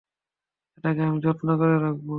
এটাকে আমি যত্ন করে রাখব।